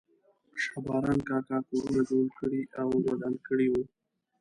شا باران کاکا کورونه جوړ کړي او ودان کړي وو.